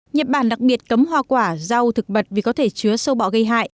nhật bản đặc biệt cấm hoa quả rau thực vật vì có thể chứa sâu bọ gây hại